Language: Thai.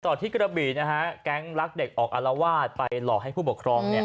ที่กระบี่นะฮะแก๊งรักเด็กออกอารวาสไปหลอกให้ผู้ปกครองเนี่ย